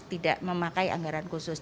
tidak memakai anggaran khusus